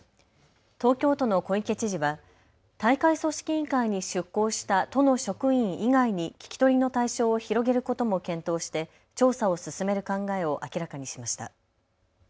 東京都の小池知事は大会組織委員会に出向した都の職員以外に聞き取りの対象を広げることも検討して調査を進める考えを明らかにしました。